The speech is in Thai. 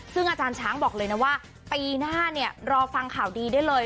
ซึ่งอาจารย์ช้างบอกเลยนะว่าปีหน้าเนี่ยรอฟังข่าวดีได้เลย